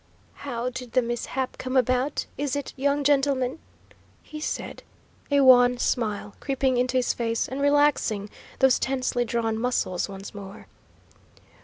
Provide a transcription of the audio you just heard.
"How did the mishap come about, is it, young gentleman?" he said, a wan smile creeping into his face, and relaxing those tensely drawn muscles once more.